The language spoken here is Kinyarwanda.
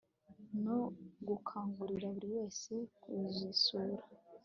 no gukangurira buri wese kuzisura